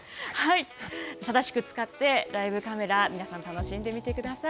正しく使って、ライブカメラ、皆さん、楽しんでみてください。